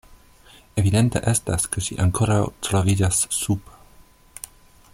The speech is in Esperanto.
Evidente estas, ke ŝi ankoraŭ troviĝas sub.